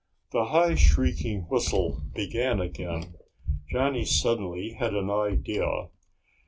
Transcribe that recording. The high shrieking whistle began again. Johnny suddenly had an idea.